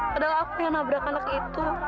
padahal aku yang nabrak anak itu